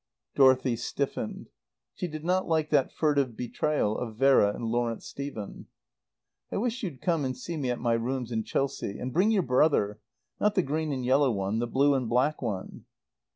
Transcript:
Dorothy stiffened. She did not like that furtive betrayal of Vera and Lawrence Stephen. "I wish you'd come and see me at my rooms in Chelsea. And bring your brother. Not the green and yellow one. The blue and black one."